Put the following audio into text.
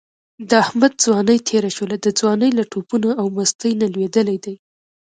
د احمد ځواني تېره شوله، د ځوانۍ له ټوپونو او مستۍ نه لوېدلی دی.